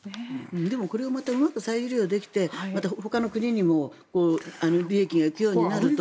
これをまたうまく再利用できてまたほかの国にも利益が行くようになると。